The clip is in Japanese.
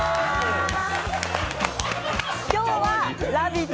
今日は「ラヴィット！」